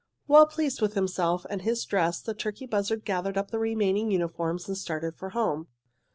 Well pleased with himself and his dress the turkey buzzard gathered up the remaining uniforms and started for home.